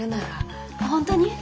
本当に？